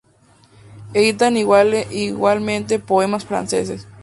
Editan igualmente "Poemas franceses".